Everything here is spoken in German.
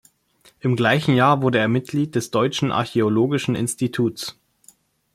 Im gleichen Jahr wurde er Mitglied des Deutschen Archäologischen Instituts.